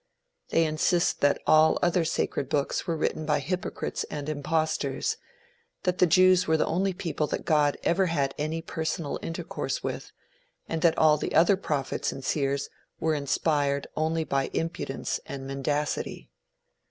They insist that all other sacred books were written by hypocrites and impostors; that the Jews were the only people that God ever had any personal intercourse with, and that all other prophets and seers were inspired only by impudence and mendacity.